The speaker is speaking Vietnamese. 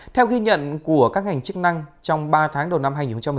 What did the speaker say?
theo ghi nhận của các ngành chức năng trong ba tháng đầu năm hai nghìn một mươi chín